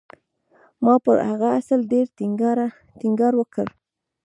ما پر هغه اصل ډېر ټينګار وکړ.